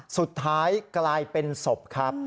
สุดท้ายกลายเป็นศพครับ